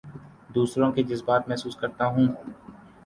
دوسروں کے جذبات محسوس کرتا ہوں